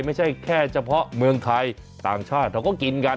ไม่ใช่แค่เฉพาะเมืองไทยต่างชาติเขาก็กินกัน